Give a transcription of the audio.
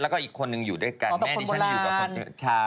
แล้วก็อีกคนนึงอยู่ด้วยกันแม่ดิฉันอยู่กับคนเถอะเช้า